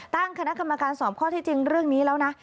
ตั้งคณะกรรมการสอบข้อที่จริงเรื่องนี้แล้วนะ